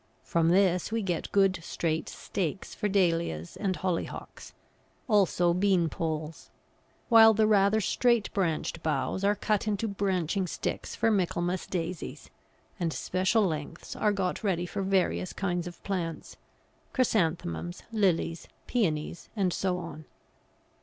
From this we get good straight stakes for Dahlias and Hollyhocks, also beanpoles; while the rather straight branched boughs are cut into branching sticks for Michaelmas Daisies, and special lengths are got ready for various kinds of plants Chrysanthemums, Lilies, Pæonies and so on.